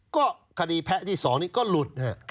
ก็คดีแพ้ที่๒นี้ก็หลุด